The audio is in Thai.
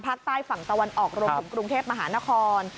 ภาคใต้ฝั่งตะวันออกรวมถึงกรุงเทพมหานคร